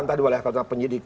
entah di wilayah penyidik